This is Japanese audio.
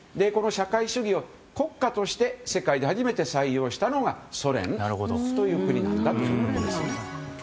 この社会主義を国家として世界で初めて採用したのがソ連という国なんだということです。